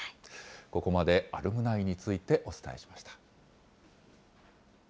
ここまでアルムナイについてお伝えしました。